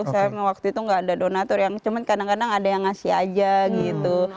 saya waktu itu gak ada donatur yang cuma kadang kadang ada yang ngasih aja gitu